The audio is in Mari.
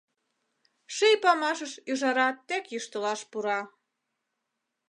Ший памашыш ӱжара тек йӱштылаш пура.